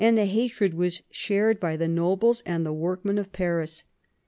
the hatred was shared by the nobles and the workmen of Paris.